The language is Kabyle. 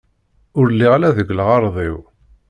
Ur lliɣ ara deg lɣerḍ-iw!